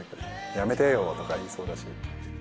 「やめてよ」とか言いそうだし。